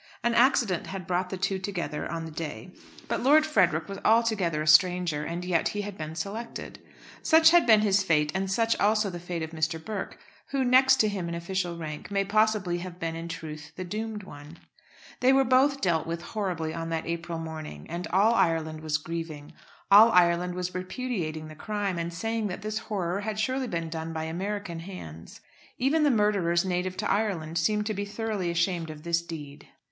An accident had brought the two together on the day, but Lord Frederick was altogether a stranger, and yet he had been selected. Such had been his fate, and such also the fate of Mr. Burke, who, next to him in official rank, may possibly have been in truth the doomed one. They were both dealt with horribly on that April morning, and all Ireland was grieving. All Ireland was repudiating the crime, and saying that this horror had surely been done by American hands. Even the murderers native to Ireland seemed to be thoroughly ashamed of this deed.